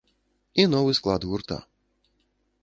І новы склад гурта.